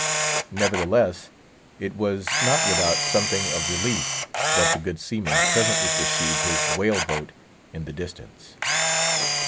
Nevertheless, it was not without something of relief that the good seaman presently perceived his whale boat in the distance.